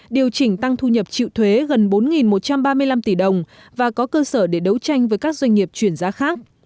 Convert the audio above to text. điều chỉnh tăng thu nhập chịu thuế gần bốn một trăm ba mươi năm tỷ đồng và có cơ sở để đấu tranh với các doanh nghiệp chuyển giá khác